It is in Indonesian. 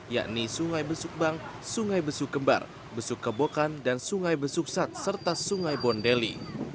yakni sungai besukbang sungai besukembar besukebokan dan sungai besuksat serta sungai bondeli